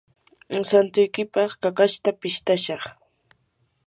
santuykipaq kakashta pistashaq.